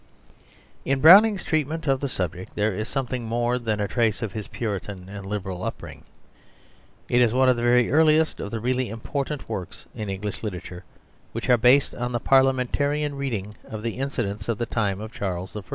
In Browning's treatment of the subject there is something more than a trace of his Puritan and Liberal upbringing. It is one of the very earliest of the really important works in English literature which are based on the Parliamentarian reading of the incidents of the time of Charles I.